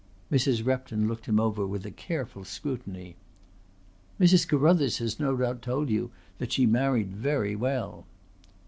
Mrs. Repton looked him over with a careful scrutiny. "Mrs. Carruthers has no doubt told you that she married very well."